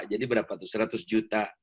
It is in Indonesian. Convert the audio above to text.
jadi berapa tuh seratus juta